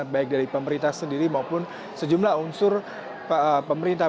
baik dari pemerintah sendiri maupun sejumlah unsur pemerintah